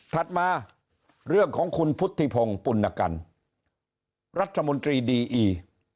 มาเรื่องของคุณพุทธิพงศ์ปุณกันรัฐมนตรีดีอี